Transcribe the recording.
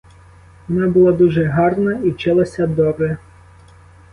Вона була дуже гарна і вчилася добре.